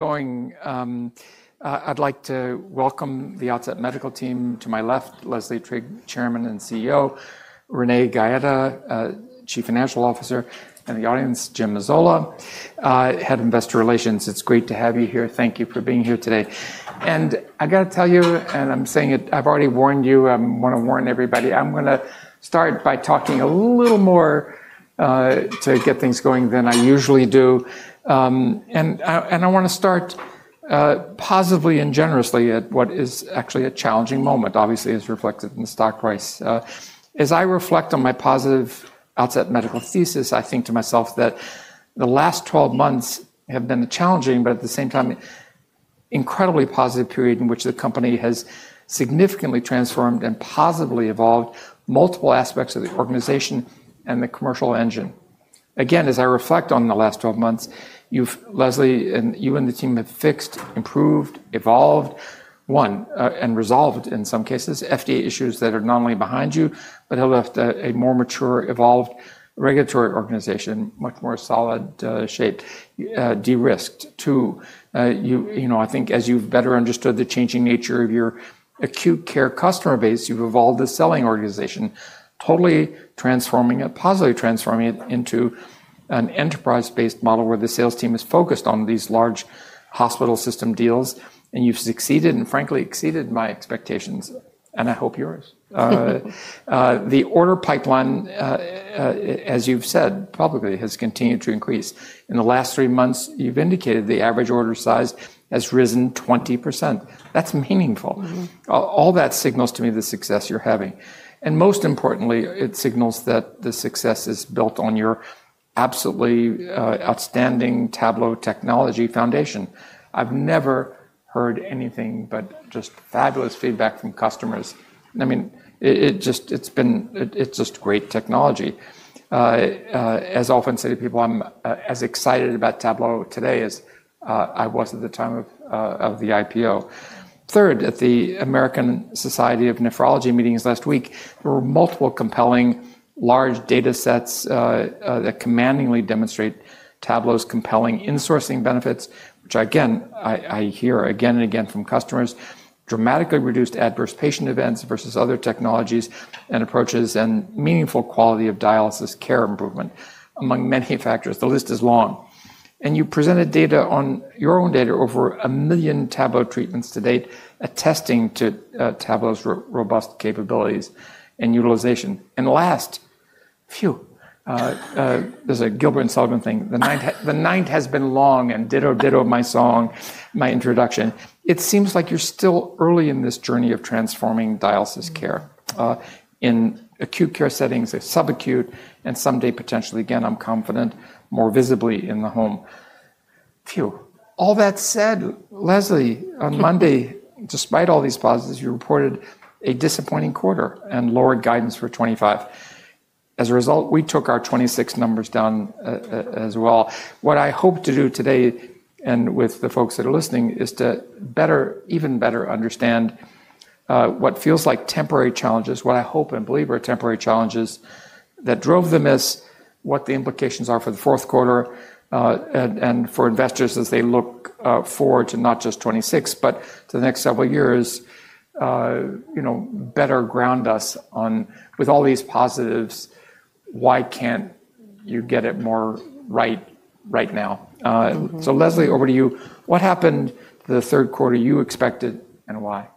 Going, I'd like to welcome the Outset Medical team. To my left, Leslie Trigg, Chairman and CEO; Renee Gaeta, Chief Financial Officer; and in the audience, Jim Mazzola, Head of Investor Relations. It's great to have you here. Thank you for being here today. I gotta tell you, and I'm saying it, I've already warned you, I want to warn everybody. I'm going to start by talking a little more to get things going than I usually do. I want to start positively and generously at what is actually a challenging moment, obviously as reflected in the stock price. As I reflect on my positive Outset Medical thesis, I think to myself that the last 12 months have been a challenging, but at the same time, incredibly positive period in which the company has significantly transformed and positively evolved multiple aspects of the organization and the commercial engine. Again, as I reflect on the last 12 months, you've, Leslie, and you and the team have fixed, improved, evolved, one, and resolved in some cases, FDA issues that are not only behind you, but have left a more mature, evolved regulatory organization, much more solid shape, de-risked. Two, you know, I think as you've better understood the changing nature of your acute care customer base, you've evolved a selling organization, totally transforming it, positively transforming it into an enterprise-based model where the sales team is focused on these large hospital system deals, and you've succeeded, and frankly exceeded my expectations, and I hope yours. The order pipeline, as you've said publicly, has continued to increase. In the last three months, you've indicated the average order size has risen 20%. That's meaningful. All that signals to me the success you're having. Most importantly, it signals that the success is built on your absolutely outstanding Tablo technology foundation. I've never heard anything but just fabulous feedback from customers. I mean, it just, it's been, it's just great technology. As I often say to people, I'm as excited about Tablo today as I was at the time of the IPO. Third, at the American Society of Nephrology meetings last week, there were multiple compelling large data sets that commandingly demonstrate Tablo's compelling insourcing benefits, which again, I hear again and again from customers, dramatically reduced adverse patient events versus other technologies and approaches, and meaningful quality of dialysis care improvement, among many factors. The list is long. You presented data on your own data over a million Tablo treatments to date, attesting to Tablo's robust capabilities and utilization. Last, phew, there's a Gilbert and Sullivan thing. The night has been long, and ditto my song, my introduction. It seems like you're still early in this journey of transforming dialysis care in acute care settings, subacute, and someday potentially again, I'm confident, more visibly in the home. Phew. All that said, Leslie, on Monday, despite all these positives, you reported a disappointing quarter and lower guidance for 2025. As a result, we took our 2026 numbers down as well. What I hope to do today, and with the folks that are listening, is to better, even better understand what feels like temporary challenges, what I hope and believe are temporary challenges that drove the miss, what the implications are for the fourth quarter, and for investors as they look forward to not just 2026, but to the next several years, you know, better ground us on, with all these positives, why can't you get it more right right now? So Leslie, over to you. What happened the third quarter you expected and why?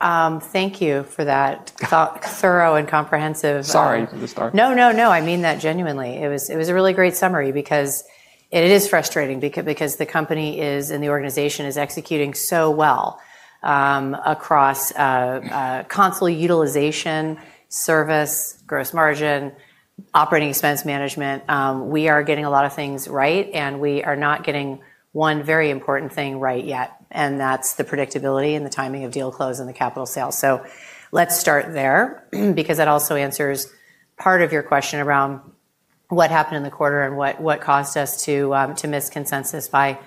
Thank you for that thorough and comprehensive. Sorry for the start. No, no, no. I mean that genuinely. It was a really great summary because it is frustrating because the company is, and the organization is executing so well across constantly utilization, service, gross margin, operating expense management. We are getting a lot of things right, and we are not getting one very important thing right yet, and that's the predictability and the timing of deal close and the capital sale. Let's start there because that also answers part of your question around what happened in the quarter and what caused us to miss consensus by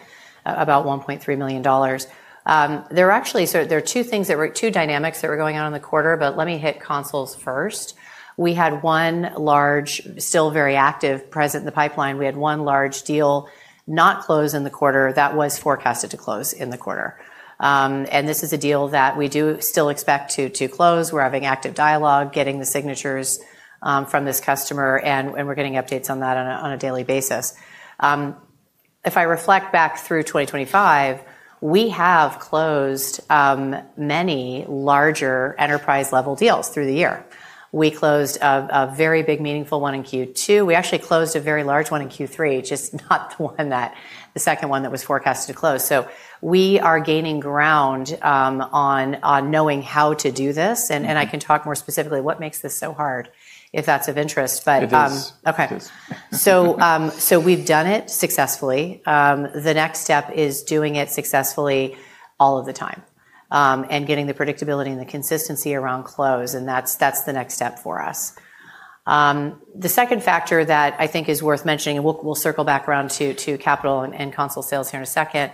about $1.3 million. There are actually, so there are two things that were, two dynamics that were going on in the quarter, but let me hit consoles first. We had one large, still very active present in the pipeline. We had one large deal not close in the quarter that was forecasted to close in the quarter. This is a deal that we do still expect to close. We're having active dialogue, getting the signatures from this customer, and we're getting updates on that on a daily basis. If I reflect back through 2025, we have closed many larger enterprise-level deals through the year. We closed a very big meaningful one in Q2. We actually closed a very large one in Q3, just not the one that, the second one that was forecasted to close. We are gaining ground on knowing how to do this, and I can talk more specifically what makes this so hard if that's of interest, but. It is. Okay. We've done it successfully. The next step is doing it successfully all of the time and getting the predictability and the consistency around close, and that's the next step for us. The second factor that I think is worth mentioning, and we'll circle back around to capital and console sales here in a second,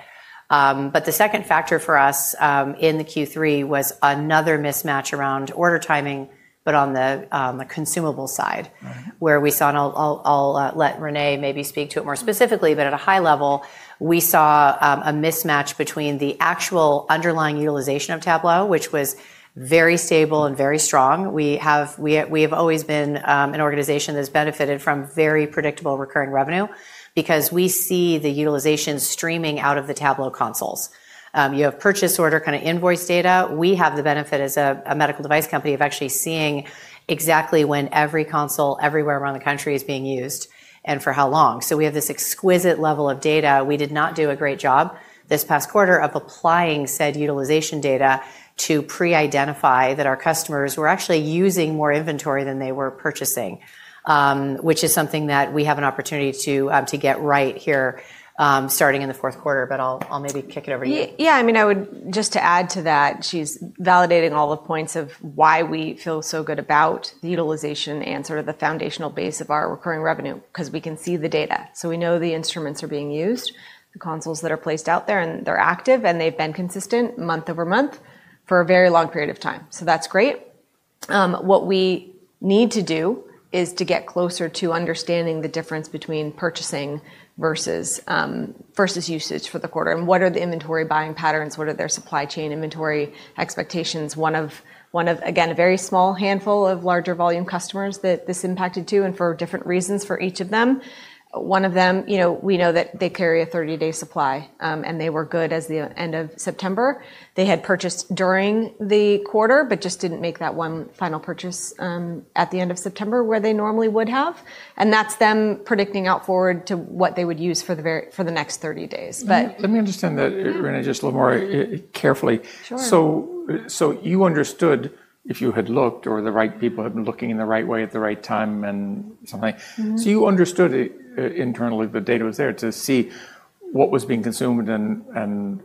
the second factor for us in the Q3 was another mismatch around order timing, but on the consumable side, where we saw, and I'll let Renee maybe speak to it more specifically, but at a high level, we saw a mismatch between the actual underlying utilization of Tablo, which was very stable and very strong. We have always been an organization that has benefited from very predictable recurring revenue because we see the utilization streaming out of the Tablo consoles. You have purchase order kind of invoice data. We have the benefit as a medical device company of actually seeing exactly when every console everywhere around the country is being used and for how long. We have this exquisite level of data. We did not do a great job this past quarter of applying said utilization data to pre-identify that our customers were actually using more inventory than they were purchasing, which is something that we have an opportunity to get right here starting in the fourth quarter, but I'll maybe kick it over to you. Yeah, I mean, I would just to add to that, she's validating all the points of why we feel so good about the utilization and sort of the foundational base of our recurring revenue because we can see the data. We know the instruments are being used, the consoles that are placed out there, and they're active and they've been consistent month over month for a very long period of time. That's great. What we need to do is to get closer to understanding the difference between purchasing versus usage for the quarter and what are the inventory buying patterns, what are their supply chain inventory expectations. One of, again, a very small handful of larger volume customers that this impacted too and for different reasons for each of them. One of them, you know, we know that they carry a 30-day supply and they were good as the end of September. They had purchased during the quarter, but just did not make that one final purchase at the end of September where they normally would have. That is them predicting out forward to what they would use for the next 30 days. Let me understand that, Renee, just a little more carefully. Sure. You understood if you had looked or the right people had been looking in the right way at the right time and something. You understood internally the data was there to see what was being consumed and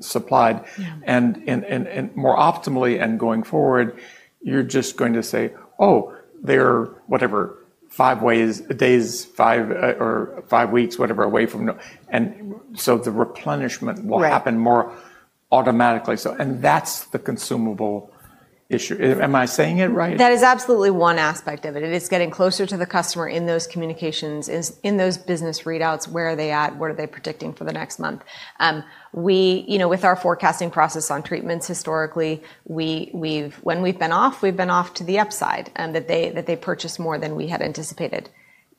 supplied. More optimally and going forward, you're just going to say, "Oh, they're whatever, five days, five or five weeks, whatever away from." The replenishment will happen more automatically. That's the consumable issue. Am I saying it right? That is absolutely one asect of it. It is getting closer to the customer in those communications, in those business readouts, where are they at, what are they predicting for the next month. We, you know, with our forecasting process on treatments historically, when we've been off, we've been off to the upside and that they purchased more than we had anticipated.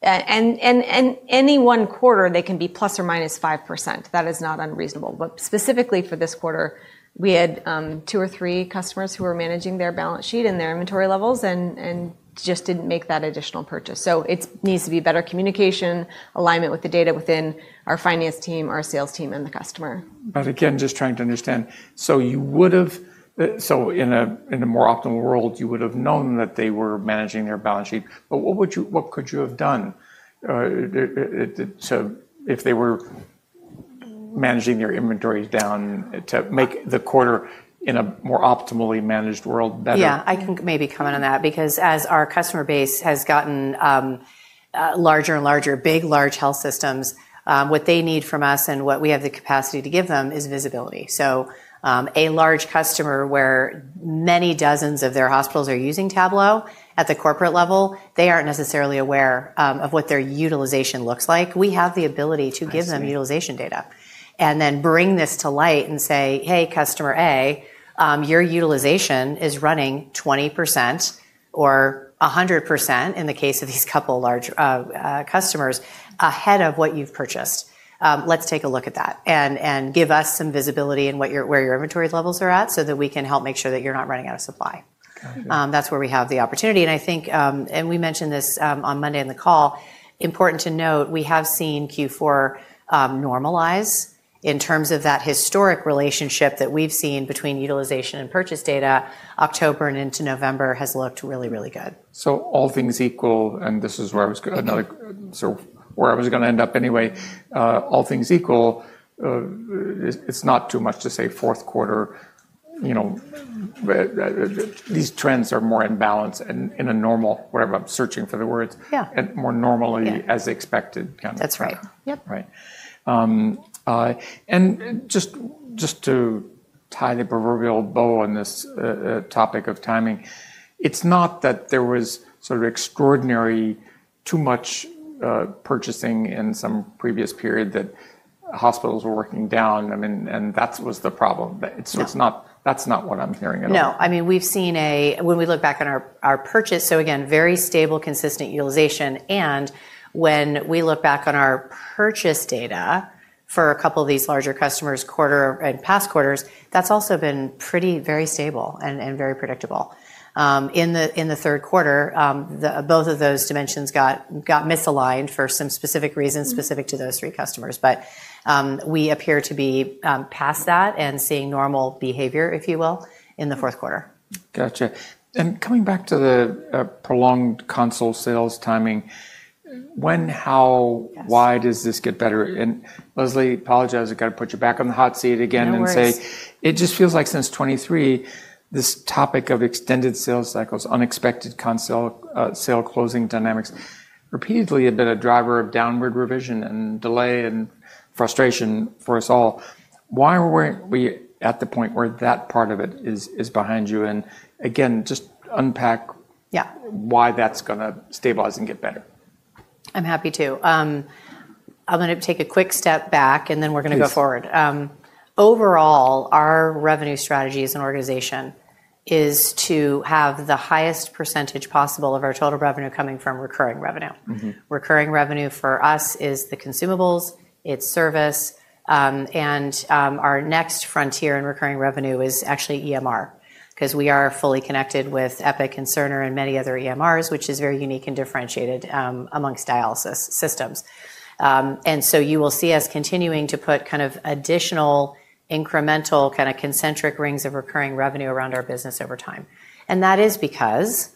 In any one quarter, they can be plus or 5%. That is not unreasonable. Specifically for this quarter, we had two or three customers who were managing their balance sheet and their inventory levels and just did not make that additional purchase. It needs to be better communication, alignment with the data within our finance team, our sales team, and the customer. Again, just trying to understand. You would have, so in a more optimal world, you would have known that they were managing their balance sheet, but what could you have done if they were managing their inventories down to make the quarter in a more optimally managed world better? Yeah, I can maybe comment on that because as our customer base has gotten larger and larger, big large health systems, what they need from us and what we have the capacity to give them is visibility. A large customer where many dozens of their hospitals are using Tablo at the corporate level, they aren't necessarily aware of what their utilization looks like. We have the ability to give them utilization data and then bring this to light and say, "Hey, customer A, your utilization is running 20% or 100% in the case of these couple large customers ahead of what you've purchased. Let's take a look at that and give us some visibility in where your inventory levels are at so that we can help make sure that you're not running out of supply." That's where we have the opportunity. I think, and we mentioned this on Monday in the call, important to note, we have seen Q4 normalize in terms of that historic relationship that we've seen between utilization and purchase data. October and into November has looked really, really good. All things equal, and this is where I was going to end up anyway, all things equal, it's not too much to say fourth quarter, you know, these trends are more in balance and in a normal, whatever I'm searching for the words, and more normally as expected. That's right. Yep. Right. And just to tie the proverbial bow on this topic of timing, it's not that there was sort of extraordinarily too much purchasing in some previous period that hospitals were working down, and that was the problem. That's not what I'm hearing at all. No, I mean, we've seen a, when we look back on our purchase, so again, very stable, consistent utilization. And when we look back on our purchase data for a couple of these larger customers quarter and past quarters, that's also been pretty very stable and very predictable. In the third quarter, both of those dimensions got misaligned for some specific reasons specific to those three customers. But we appear to be past that and seeing normal behavior, if you will, in the fourth quarter. Gotcha. Coming back to the prolonged console sales timing, when, how, why does this get better? Leslie, apologize, I got to put you back on the hot seat again and say it just feels like since 2023, this topic of extended sales cycles, unexpected console sale closing dynamics repeatedly have been a driver of downward revision and delay and frustration for us all. Why are we at the point where that part of it is behind you? Again, just unpack why that's going to stabilize and get better. I'm happy to. I'm going to take a quick step back and then we're going to go forward. Overall, our revenue strategy as an organization is to have the highest percentage possible of our total revenue coming from recurring revenue. Recurring revenue for us is the consumables, its service, and our next frontier in recurring revenue is actually EMR because we are fully connected with Epic and Cerner and many other EMRs, which is very unique and differentiated amongst dialysis systems. You will see us continuing to put kind of additional incremental kind of concentric rings of recurring revenue around our business over time. That is because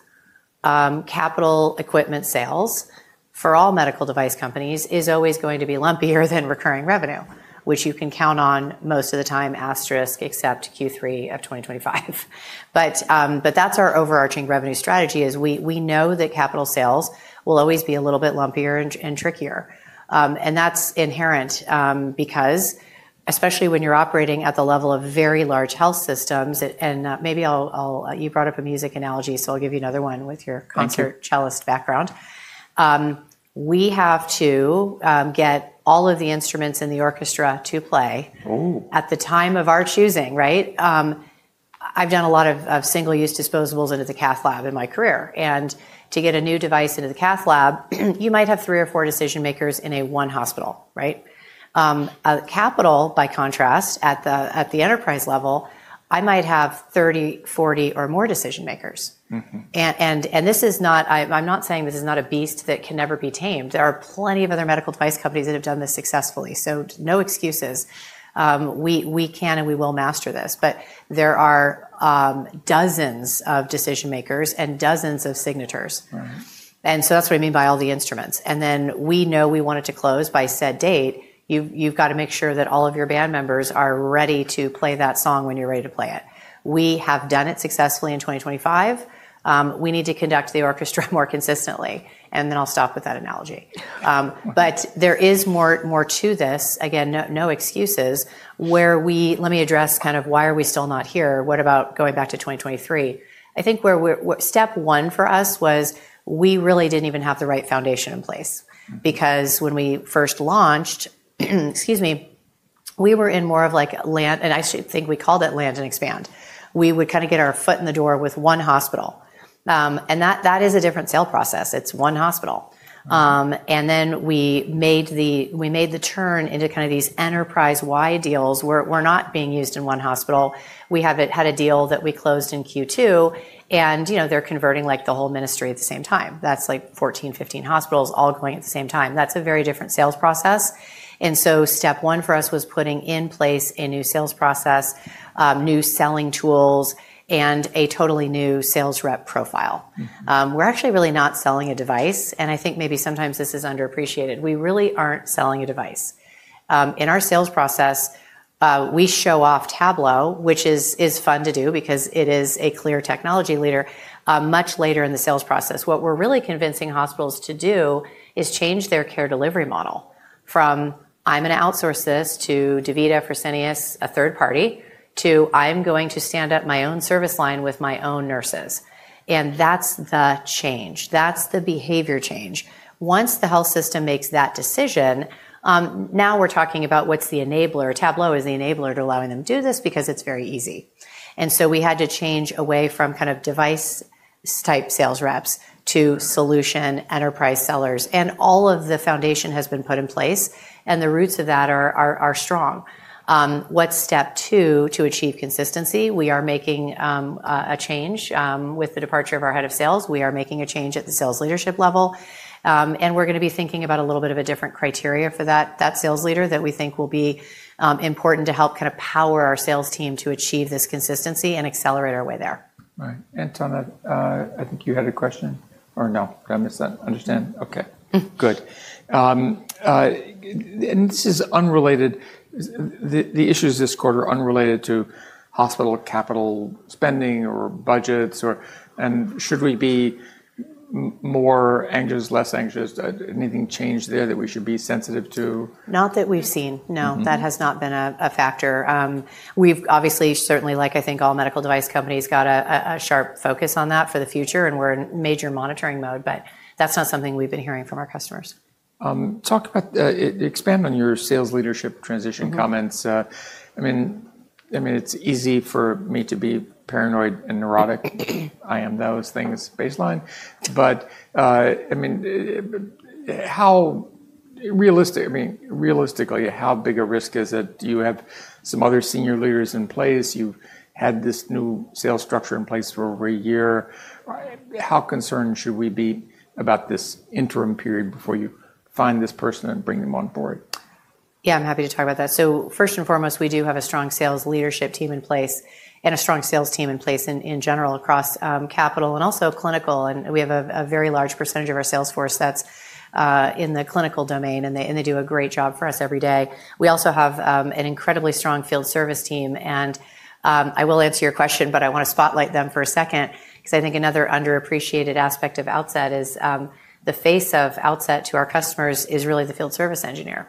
capital equipment sales for all medical device companies is always going to be lumpier than recurring revenue, which you can count on most of the time asterisk except Q3 of 2025. That's our overarching revenue strategy. We know that capital sales will always be a little bit lumpier and trickier. That's inherent because especially when you're operating at the level of very large health systems, and maybe I'll, you brought up a music analogy, so I'll give you another one with your concert cellist background. We have to get all of the instruments in the orchestra to play at the time of our choosing, right? I've done a lot of single-use disposables into the cath lab in my career. To get a new device into the cath lab, you might have three or four decision makers in one hospital, right? Capital, by contrast, at the enterprise level, I might have 30, 40, or more decision makers. This is not, I'm not saying this is not a beast that can never be tamed. There are plenty of other medical device companies that have done this successfully. No excuses. We can and we will master this, but there are dozens of decision makers and dozens of signatures. That is what I mean by all the instruments. We know we want it to close by said date. You have to make sure that all of your band members are ready to play that song when you are ready to play it. We have done it successfully in 2025. We need to conduct the orchestra more consistently. I will stop with that analogy. There is more to this, again, no excuses, where we, let me address kind of why are we still not here? What about going back to 2023? I think step one for us was we really did not even have the right foundation in place because when we first launched, excuse me, we were in more of like land, and I actually think we called it land and expand. We would kind of get our foot in the door with one hospital. That is a different sale process. It is one hospital. Then we made the turn into kind of these enterprise-wide deals where we are not being used in one hospital. We had a deal that we closed in Q2, and you know they are converting like the whole ministry at the same time. That is like 14-15 hospitals all going at the same time. That is a very different sales process. Step one for us was putting in place a new sales process, new selling tools, and a totally new sales rep profile. We're actually really not selling a device, and I think maybe sometimes this is underappreciated. We really aren't selling a device. In our sales process, we show off Tablo, which is fun to do because it is a clear technology leader much later in the sales process. What we're really convincing hospitals to do is change their care delivery model from, "I'm going to outsource this to DaVita, Fresenius, a third party," to, "I'm going to stand up my own service line with my own nurses." That's the change. That's the behavior change. Once the health system makes that decision, now we're talking about what's the enabler. Tablo is the enabler to allowing them to do this because it's very easy. We had to change away from kind of device-type sales reps to solution enterprise sellers, and all of the foundation has been put in place, and the roots of that are strong. What's step two to achieve consistency? We are making a change with the departure of our head of sales. We are making a change at the sales leadership level, and we're going to be thinking about a little bit of a different criteria for that sales leader that we think will be important to help kind of power our sales team to achieve this consistency and accelerate our way there. Right. Anton, I think you had a question or no, I missed that. Understand. Okay. Good. This is unrelated. The issues this quarter are unrelated to hospital capital spending or budgets or, and should we be more anxious, less anxious? Anything changed there that we should be sensitive to? Not that we've seen. No, that has not been a factor. We've obviously, certainly like I think all medical device companies, got a sharp focus on that for the future, and we're in major monitoring mode, but that's not something we've been hearing from our customers. Talk about, expand on your sales leadership transition comments. I mean, it's easy for me to be paranoid and neurotic. I am those things baseline. I mean, how realistic, I mean, realistically, how big a risk is it? Do you have some other senior leaders in place? You've had this new sales structure in place for over a year. How concerned should we be about this interim period before you find this person and bring them on board? Yeah, I'm happy to talk about that. First and foremost, we do have a strong sales leadership team in place and a strong sales team in place in general across capital and also clinical. We have a very large percentage of our sales force that's in the clinical domain, and they do a great job for us every day. We also have an incredibly strong field service team. I will answer your question, but I want to spotlight them for a second because I think another underappreciated aspect of Outset is the face of Outset to our customers is really the field service engineer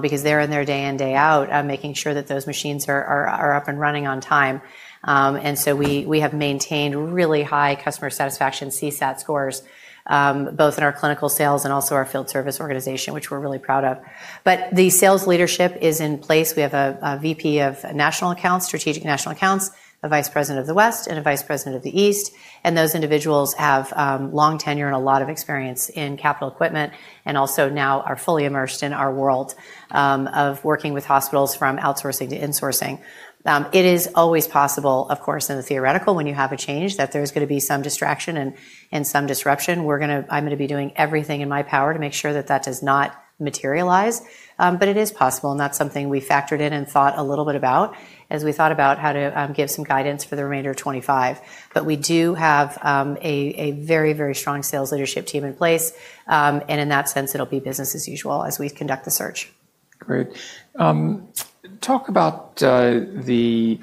because they're in there day in, day out, making sure that those machines are up and running on time. We have maintained really high customer satisfaction CSAT scores, both in our clinical sales and also our field service organization, which we're really proud of. The sales leadership is in place. We have a VP of national accounts, strategic national accounts, a Vice President of the West, and a Vice President of the East. Those individuals have long tenure and a lot of experience in capital equipment and also now are fully immersed in our world of working with hospitals from outsourcing to insourcing. It is always possible, of course, in the theoretical when you have a change that there's going to be some distraction and some disruption. I'm going to be doing everything in my power to make sure that that does not materialize, but it is possible and that's something we factored in and thought a little bit about as we thought about how to give some guidance for the remainder of 2025. We do have a very, very strong sales leadership team in place. In that sense, it'll be business as usual as we conduct the search. Great. Talk about the,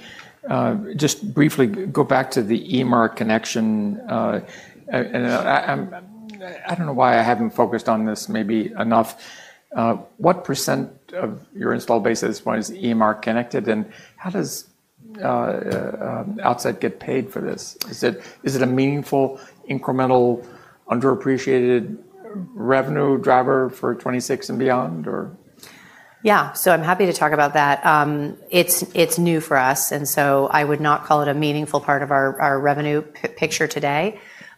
just briefly go back to the EMR connection. I do not know why I have not focused on this maybe enough. What percent of your install basis was EMR connected and how does Outset get paid for this? Is it a meaningful incremental underappreciated revenue driver for 2026 and beyond or? Yeah, so I'm happy to talk about that. It's new for us. I would not call it a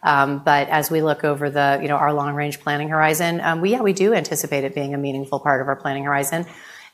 meaningful part of our revenue picture today. As we look over the, you know, our long-range planning horizon, yeah, we do anticipate it being a meaningful part of our planning horizon.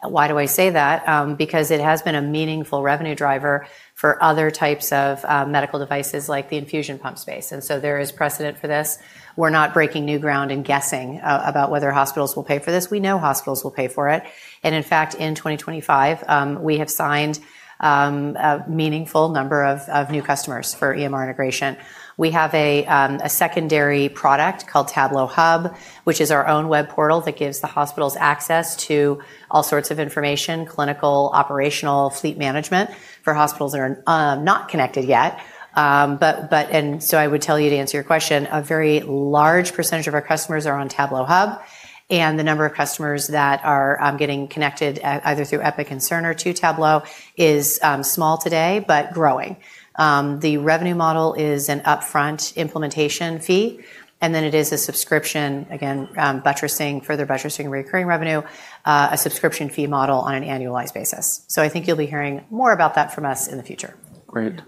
Why do I say that? Because it has been a meaningful revenue driver for other types of medical devices like the infusion pump space. There is precedent for this. We're not breaking new ground and guessing about whether hospitals will pay for this. We know hospitals will pay for it. In fact, in 2025, we have signed a meaningful number of new customers for EMR integration. We have a secondary product called Tablo Hub, which is our own web portal that gives the hospitals access to all sorts of information, clinical, operational, fleet management for hospitals that are not connected yet. I would tell you to answer your question, a very large percentage of our customers are on Tablo Hub. The number of customers that are getting connected either through Epic and Cerner to Tablo is small today, but growing. The revenue model is an upfront implementation fee, and then it is a subscription, again, buttressing, further buttressing recurring revenue, a subscription fee model on an annualized basis. I think you'll be hearing more about that from us in the future. Great.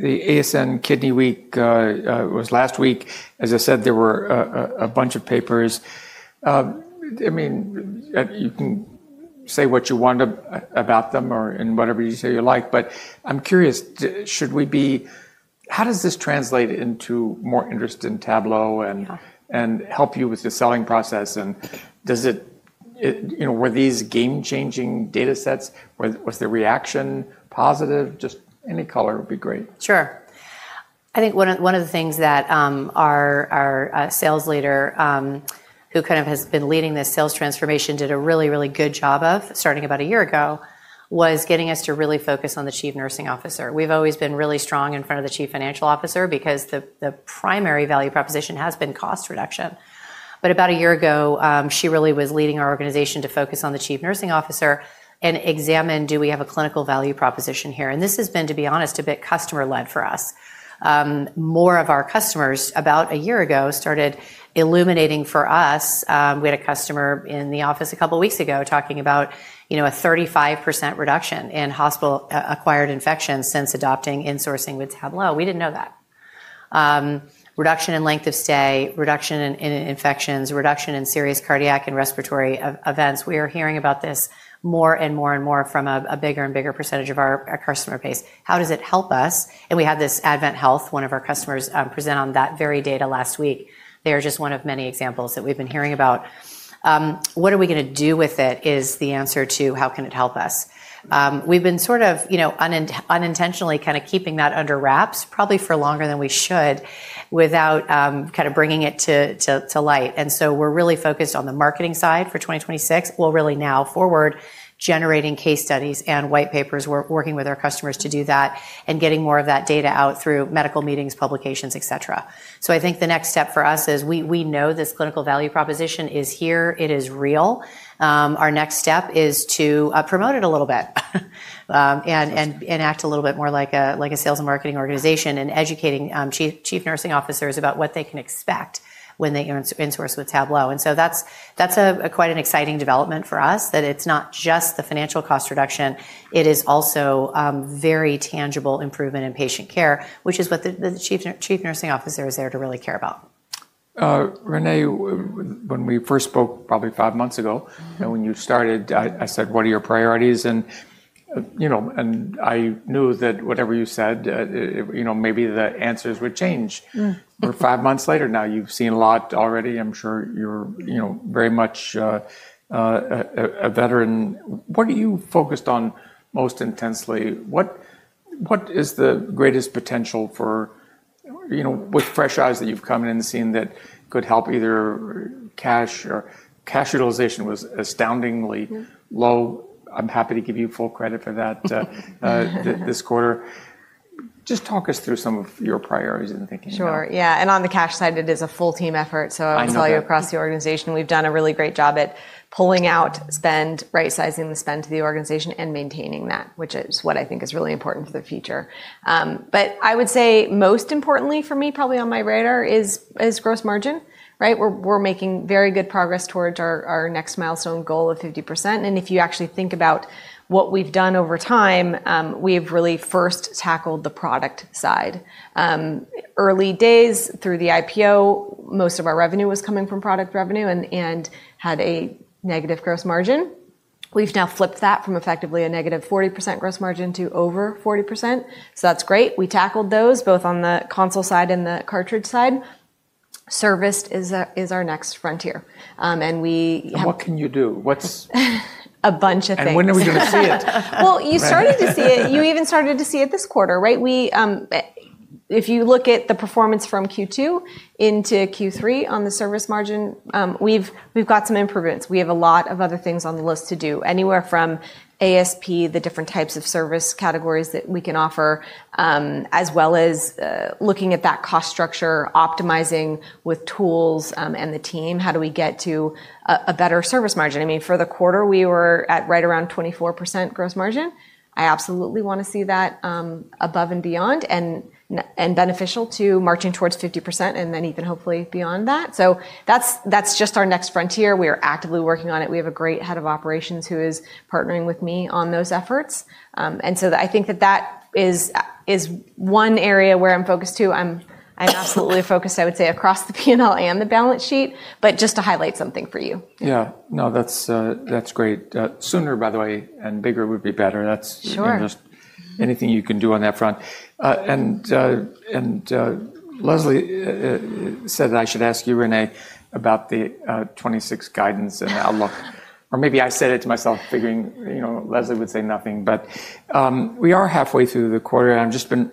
The ASN Kidney Week was last week. As I said, there were a bunch of papers. I mean, you can say what you want about them or in whatever you say you like, but I'm curious, should we be, how does this translate into more interest in Tablo and help you with the selling process? And does it, you know, were these game-changing data sets? Was the reaction positive? Just any color would be great. Sure. I think one of the things that our sales leader, who kind of has been leading this sales transformation, did a really, really good job of starting about a year ago was getting us to really focus on the Chief Nursing Officer. We've always been really strong in front of the Chief Financial Officer because the primary value proposition has been cost reduction. About a year ago, she really was leading our organization to focus on the Chief Nursing Officer and examine, do we have a clinical value proposition here? This has been, to be honest, a bit customer-led for us. More of our customers about a year ago started illuminating for us. We had a customer in the office a couple of weeks ago talking about, you know, a 35% reduction in hospital-acquired infections since adopting insourcing with Tablo. We didn't know that. Reduction in length of stay, reduction in infections, reduction in serious cardiac and respiratory events. We are hearing about this more and more and more from a bigger and bigger percentage of our customer base. How does it help us? We had AdventHealth, one of our customers, present on that very data last week. They are just one of many examples that we have been hearing about. What are we going to do with it is the answer to how can it help us? We have been sort of, you know, unintentionally kind of keeping that under wraps probably for longer than we should without kind of bringing it to light. We are really focused on the marketing side for 2026. We will really now forward generating case studies and white papers. We're working with our customers to do that and getting more of that data out through medical meetings, publications, et cetera. I think the next step for us is we know this clinical value proposition is here. It is real. Our next step is to promote it a little bit and act a little bit more like a sales and marketing organization and educating Chief Nursing Officers about what they can expect when they insource with Tablo. That's quite an exciting development for us that it's not just the financial cost reduction. It is also a very tangible improvement in patient care, which is what the Chief Nursing Officer is there to really care about. Renee, when we first spoke probably five months ago and when you started, I said, what are your priorities? And you know, and I knew that whatever you said, you know, maybe the answers would change. We're five months later. Now you've seen a lot already. I'm sure you're, you know, very much a veteran. What are you focused on most intensely? What is the greatest potential for, you know, with fresh eyes that you've come in and seen that could help either cash or cash utilization was astoundingly low. I'm happy to give you full credit for that this quarter. Just talk us through some of your priorities and thinking. Sure. Yeah. On the cash side, it is a full team effort. I'll tell you across the organization, we've done a really great job at pulling out spend, right-sizing the spend to the organization and maintaining that, which is what I think is really important for the future. I would say most importantly for me, probably on my radar is gross margin, right? We're making very good progress towards our next milestone goal of 50%. If you actually think about what we've done over time, we have really first tackled the product side. Early days through the IPO, most of our revenue was coming from product revenue and had a negative gross margin. We've now flipped that from effectively a negative 40% gross margin to over 40%. That's great. We tackled those both on the console side and the cartridge side. Serviced is our next frontier. We. What can you do? What's... A bunch of things. When are we going to see it? You started to see it. You even started to see it this quarter, right? If you look at the performance from Q2 into Q3 on the service margin, we've got some improvements. We have a lot of other things on the list to do anywhere from ASP, the different types of service categories that we can offer, as well as looking at that cost structure, optimizing with tools and the team. How do we get to a better service margin? I mean, for the quarter, we were at right around 24% gross margin. I absolutely want to see that above and beyond and beneficial to marching towards 50% and then even hopefully beyond that. That is just our next frontier. We are actively working on it. We have a great Head of Operations who is partnering with me on those efforts. I think that that is one area where I'm focused too. I'm absolutely focused, I would say, across the P&L and the balance sheet, but just to highlight something for you. Yeah. No, that's great. Sooner, by the way, and bigger would be better. That's just anything you can do on that front. Leslie said that I should ask you, Renee, about the 2026 guidance and outlook. Or maybe I said it to myself figuring, you know, Leslie would say nothing. We are halfway through the quarter. I've just been,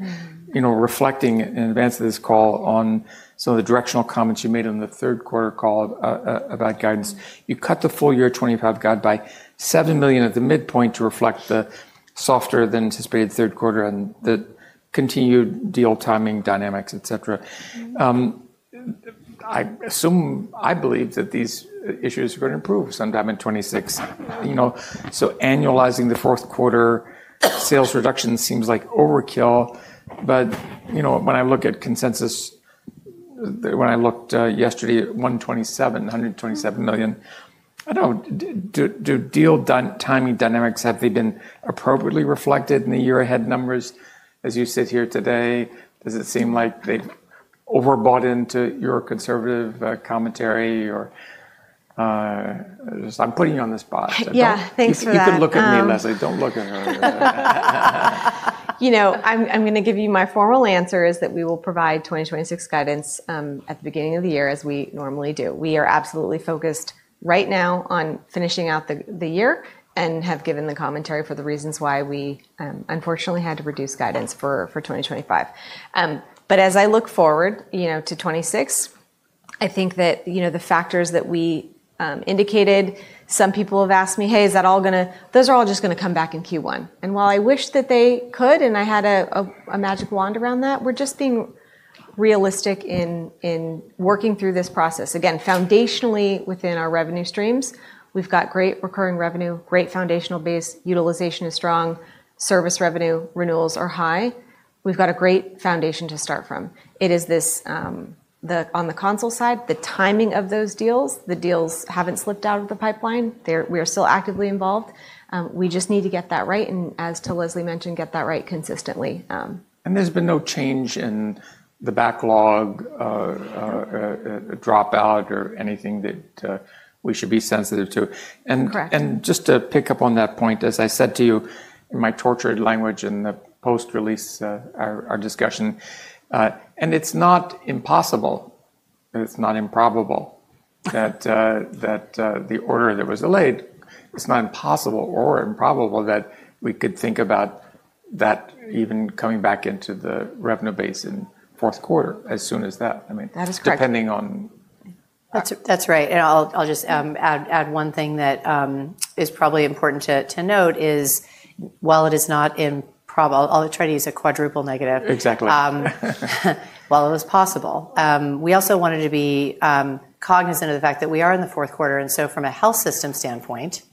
you know, reflecting in advance of this call on some of the directional comments you made on the third quarter call about guidance. You cut the full year 2025 guide by $7 million at the midpoint to reflect the softer than anticipated third quarter and the continued deal timing dynamics, et cetera. I assume, I believe that these issues are going to improve sometime in 2026. You know, so annualizing the fourth quarter sales reduction seems like overkill. You know, when I look at consensus, when I looked yesterday at $127 million, I don't know, do deal timing dynamics, have they been appropriately reflected in the year ahead numbers as you sit here today? Does it seem like they've overbought into your conservative commentary or I'm putting you on the spot. Yeah, thanks for that. You could look at me and Leslie, don't look at her. You know, I'm going to give you my formal answer is that we will provide 2026 guidance at the beginning of the year as we normally do. We are absolutely focused right now on finishing out the year and have given the commentary for the reasons why we unfortunately had to reduce guidance for 2025. As I look forward, you know, to 2026, I think that, you know, the factors that we indicated, some people have asked me, hey, is that all going to, those are all just going to come back in Q1. While I wish that they could and I had a magic wand around that, we're just being realistic in working through this process. Again, foundationally within our revenue streams, we've got great recurring revenue, great foundational base, utilization is strong, service revenue renewals are high. We've got a great foundation to start from. It is this, on the console side, the timing of those deals, the deals have not slipped out of the pipeline. We are still actively involved. We just need to get that right and as Leslie mentioned, get that right consistently. There has been no change in the backlog, dropout or anything that we should be sensitive to. Just to pick up on that point, as I said to you in my tortured language in the post-release discussion, it is not impossible, it is not improbable that the order that was delayed, it is not impossible or improbable that we could think about that even coming back into the revenue base in fourth quarter as soon as that. I mean, depending on. That's right. I'll just add one thing that is probably important to note is while it is not improbable, I'll try to use a quadruple negative. Exactly. While it was possible. We also wanted to be cognizant of the fact that we are in the fourth quarter. From a health system standpoint,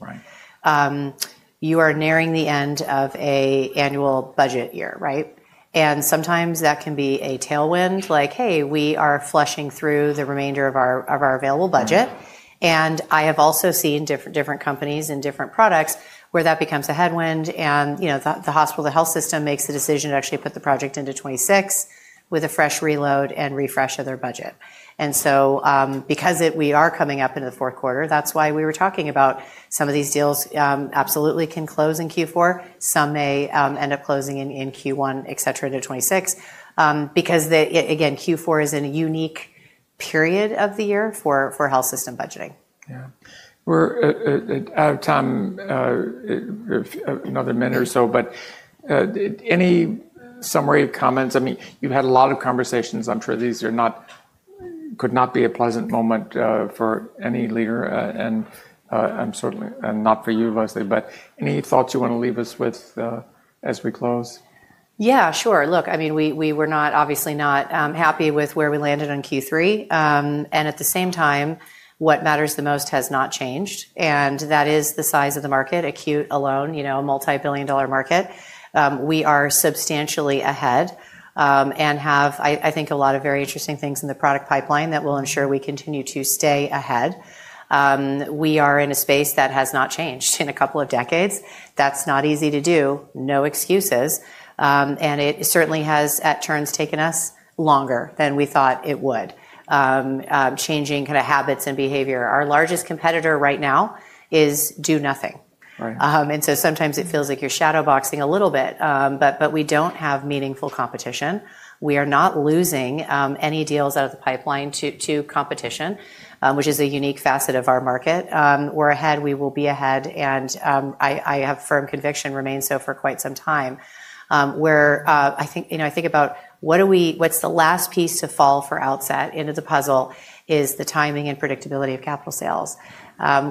you are nearing the end of an annual budget year, right? Sometimes that can be a tailwind like, hey, we are flushing through the remainder of our available budget. I have also seen different companies and different products where that becomes a headwind. You know, the hospital, the health system makes the decision to actually put the project into 2026 with a fresh reload and refresh of their budget. Because we are coming up into the fourth quarter, that is why we were talking about some of these deals absolutely can close in Q4. Some may end up closing in Q1, et cetera, into 2026 because again, Q4 is in a unique period of the year for health system budgeting. Yeah. We're out of time, another minute or so, but any summary comments? I mean, you've had a lot of conversations. I'm sure these are not, could not be a pleasant moment for any leader. I'm certainly not for you, Leslie, but any thoughts you want to leave us with as we close? Yeah, sure. Look, I mean, we were not obviously not happy with where we landed on Q3. At the same time, what matters the most has not changed. That is the size of the market, acute alone, you know, a multi-billion dollar market. We are substantially ahead and have, I think, a lot of very interesting things in the product pipeline that will ensure we continue to stay ahead. We are in a space that has not changed in a couple of decades. That's not easy to do, no excuses. It certainly has at turns taken us longer than we thought it would, changing kind of habits and behavior. Our largest competitor right now is do nothing. Sometimes it feels like you're shadow boxing a little bit, but we do not have meaningful competition. We are not losing any deals out of the pipeline to competition, which is a unique facet of our market. We're ahead. We will be ahead. I have firm conviction remains so for quite some time. Where I think, you know, I think about what are we, what's the last piece to fall for Outset into the puzzle is the timing and predictability of capital sales.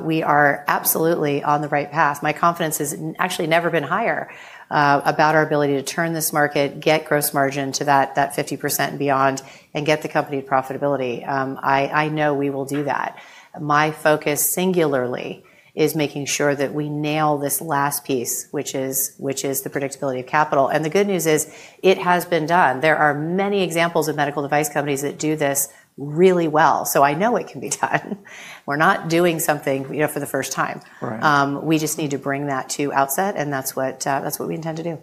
We are absolutely on the right path. My confidence has actually never been higher about our ability to turn this market, get gross margin to that 50% and beyond, and get the company profitability. I know we will do that. My focus singularly is making sure that we nail this last piece, which is the predictability of capital. The good news is it has been done. There are many examples of medical device companies that do this really well. I know it can be done. We're not doing something, you know, for the first time. We just need to bring that to Outset. And that's what we intend to do.